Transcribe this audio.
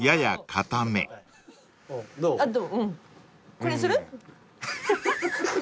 これにする？